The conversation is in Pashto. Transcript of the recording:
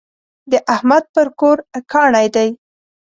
د احمد پر کور کاڼی دی.